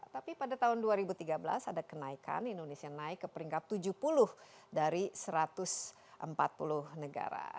tapi pada tahun dua ribu tiga belas ada kenaikan indonesia naik ke peringkat tujuh puluh dari satu ratus empat puluh negara